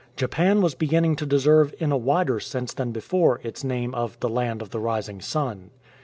Japan was beginning to deserve in a wider sense than before its name of "The Land of the Rising Sun.'"